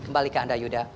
kembali ke anda yuda